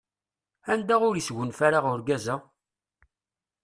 Anda ur isgunfa ara urgaz-a?